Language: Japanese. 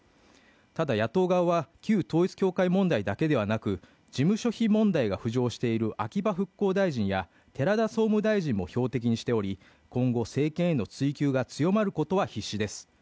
ただ野党側は、旧統一教会問題だけではなく事務所費問題が浮上している秋葉復興大臣や寺田総務大臣も標的にしており標的にしており、今後、政権への追及が強まることは必至です。